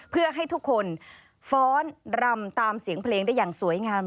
เพื่อให้ทุกคนฟ้อนรำตามเสียงเพลงได้อย่างสวยงาม